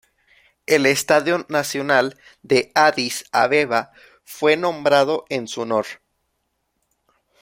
El estadio nacional de Adís Abeba fue nombrado en su honor.